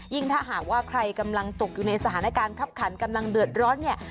ถ้าหากว่าใครกำลังตกอยู่ในสถานการณ์คับขันกำลังเดือดร้อนเนี่ย